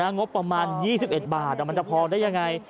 งบประมาณ๒๑บาทมันจะพอได้ยังไง